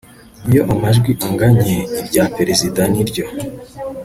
Iyo amajwi anganye irya Perezida niryo